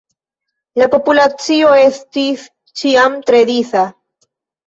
La populacio estis ĉiam tre disa.